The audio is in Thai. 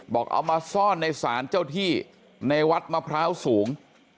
เอามาซ่อนในศาลเจ้าที่ในวัดมะพร้าวสูง